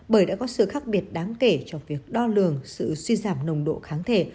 bởi đã có sự khác biệt đáng kể trong việc đo lường sự suy giảm nồng độ kháng thể